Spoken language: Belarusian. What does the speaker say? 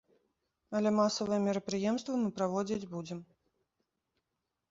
Але масавыя мерапрыемствы мы праводзіць будзем.